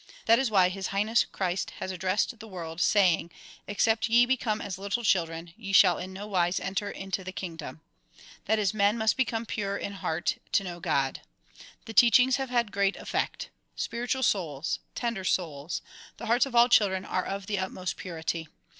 That is why His Highness Christ has addressed the world, saying "Except ye become as little children, ye shall in no wise enter into the kingdom ''; that is, men must become pure in heart to know God. The teachings have had great effect. Spiritual souls ! Tender souls ! The hearts of all children are of the utmost purity.